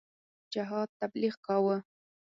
جهاد تبلیغ کاوه.